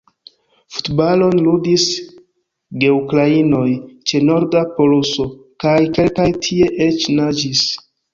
Futbalon ludis geukrainoj ĉe norda poluso – kaj kelkaj tie eĉ naĝis.